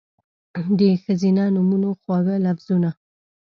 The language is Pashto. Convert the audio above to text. د ښځېنه نومونو، خواږه لفظونه